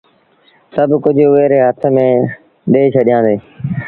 سڀ ڪجھ اُئي ري هٿ ميݩ ڏي ڇڏيآندي اهي۔